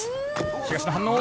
東野、反応。